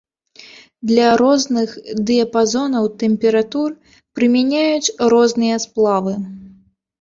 Для розных дыяпазонаў тэмператур прымяняюць розныя сплавы.